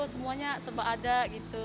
semuanya seba ada gitu